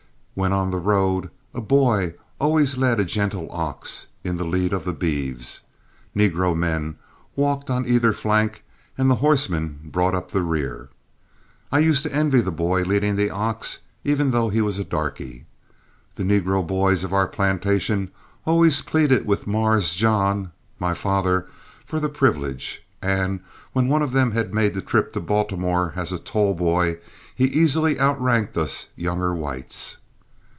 When on the road a boy always led a gentle ox in the lead of the beeves; negro men walked on either flank, and the horseman brought up the rear. I used to envy the boy leading the ox, even though he was a darky. The negro boys on our plantation always pleaded with "Mars" John, my father, for the privilege; and when one of them had made the trip to Baltimore as a toll boy he easily outranked us younger whites.